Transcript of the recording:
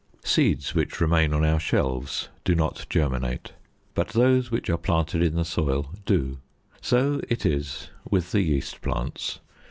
Seeds which remain on our shelves do not germinate, but those which are planted in the soil do; so it is with the yeast plants.